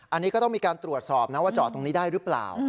อันนี้ก็ต้องมีการตรวจสอบนะว่าจอดตรงนี้ได้หรือเปล่า